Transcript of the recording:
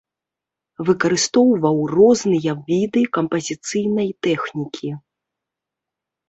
Выкарыстоўваў розныя віды кампазіцыйнай тэхнікі.